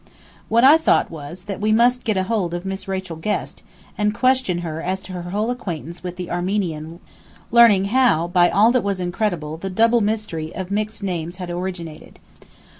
What I thought was, that we must get hold of Miss Rachel Guest, and question her as to her whole acquaintance with the Armenian learning how, by all that was incredible, the double mystery of mixed names had originated.